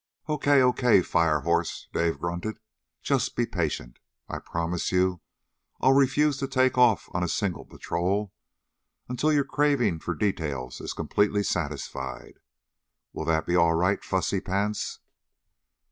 "Okay, okay, fire horse!" Dave grunted. "Just be patient. I promise you, I'll refuse to take off on a single patrol until your craving for details is completely satisfied. Will that be all right, fussy pants?"